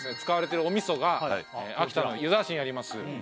使われているお味噌が秋田の湯沢市にあります